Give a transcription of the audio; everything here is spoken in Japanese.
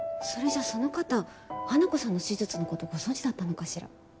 それじゃあその方花子さんの手術の事ご存じだったのかしら？